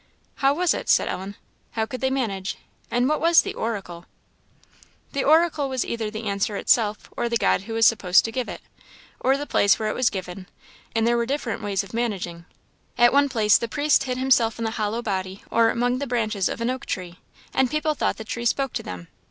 "How was it?" said Ellen; "how could they manage, and what was the oracle?" "The oracle was either the answer itself, or the god who was supposed to give it, or the place where it was given; and there were different ways of managing. At one place the priest hid himself in the hollow body or among the branches of an oak tree, and people thought the tree spoke to them.